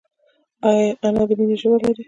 انا د مینې ژبه لري